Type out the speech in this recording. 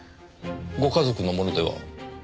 ご家族のものでは？